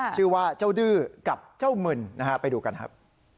ชื่อว่าเจ้าดื้อกับเจ้ามึนนะฮะไปดูกันครับ